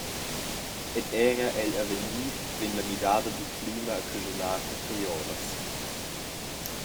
Ed era egl avegnir vegn la midada dil clima a caschunar capriolas.